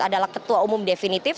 adalah ketua umum definitif